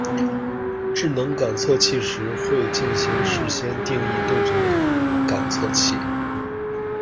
智能感测器时，会进行事先定义动作的感测器。